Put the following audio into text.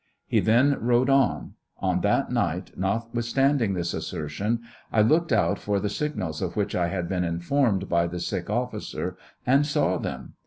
He then rode on. On that night, notwithstanding this assertion, I looked out for the signals of which I had been informed by the sick officer, and saw them.